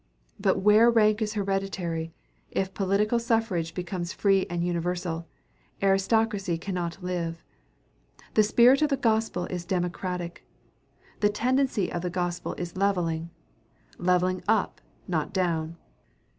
But where rank is hereditary, if political suffrage becomes free and universal, aristocracy cannot live. The spirit of the gospel is democratic. The tendency of the gospel is leveling; leveling up, not down.